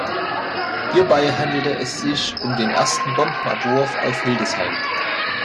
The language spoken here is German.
Hierbei handelte es sich um den ersten Bombenabwurf auf Hildesheim.